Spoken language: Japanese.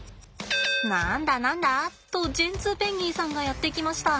何だ何だ？とジェンツーペンギンさんがやって来ました。